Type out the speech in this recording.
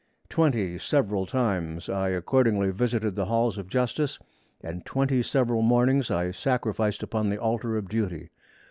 Twenty several times I accordingly visited the Halls of Justice, and twenty several mornings I sacrificed upon the altar of duty.